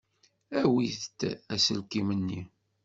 Awit-d aselkim-nni.